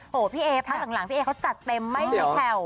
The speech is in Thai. พี่เอพักหลังพี่เอเขาจัดเต็มไม่มีแผ่ว